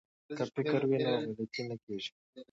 که فکر وي نو غلطي نه کیږي.